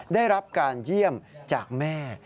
ได้รับการเยี่ยมจากแม่